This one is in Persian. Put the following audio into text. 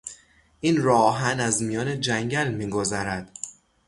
این راهآهن از میان جنگل میگذرد.